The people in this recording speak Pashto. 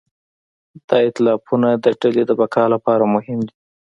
دا ایتلافونه د ډلې د بقا لپاره مهم دي.